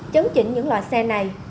chấn chỉnh những loại xe này